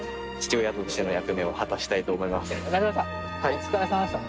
お疲れさまでした。